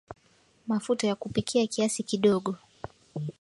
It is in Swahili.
Mafuta ya kupikia kiasi kidogo